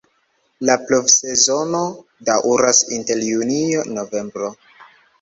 La pluvsezono daŭras inter junio-novembro.